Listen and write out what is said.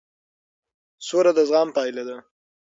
سوله د زغم پایله ده